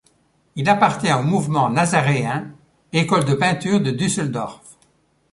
Il appartient au Mouvement nazaréen, École de peinture de Düsseldorf.